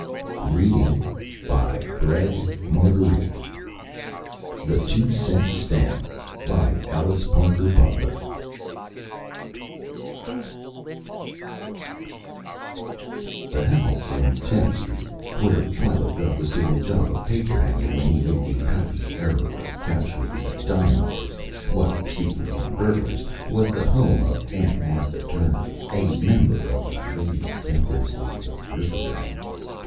"Well, I feel a little bilious myself," said Billy Getz. THE TWO CENT STAMP The house in Tenth Street where Philo Gubb was doing a job of paper hanging when he made the happy error of capturing the dynamiters while seeking the un burglars was the home of Aunt Martha Turner, a member of the Ladies' Temperance League of Riverbank.